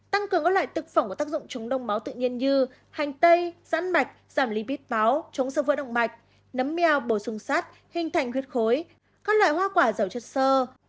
tăng cường các loại thực phẩm có tác dụng chống đông máu tự nhiên như hành tây giãn mạch giảm lipid máu chống sơ vỡ động mạch nấm meo bổ sung sát hình thành huyết khối các loại hoa quả giàu chất sơ